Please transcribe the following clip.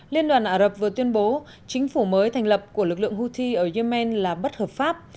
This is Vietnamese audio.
liên đoàn ả rập vừa tuyên bố chính phủ mới thành lập của lực lượng houthi ở yemen là bất hợp pháp